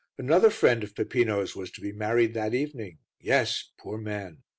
Another friend of Peppino's was to be married that evening yes, poor man!